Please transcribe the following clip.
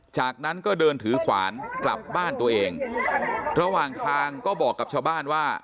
จากนั้นก็เดินถือขวานกลับบ้านตัวเองระหว่างทางก็บอกกับชาวบ้านว่า